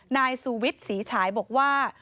นายสูวิทย์ศรีฉายบอกว่า